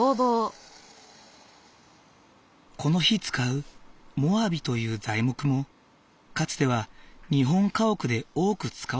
この日使うモアビという材木もかつては日本家屋で多く使われていたもの。